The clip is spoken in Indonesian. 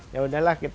yaudah lah kita